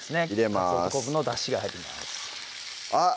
かつおと昆布のだしが入りますあっ